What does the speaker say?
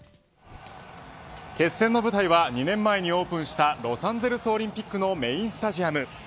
決戦の舞台は２年前にオープンしたロサンゼルスオリンピックのメインスタジアム。